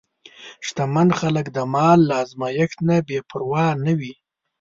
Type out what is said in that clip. شتمن خلک د مال له ازمېښت نه بېپروا نه وي.